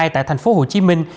tại thành phố hồ chí minh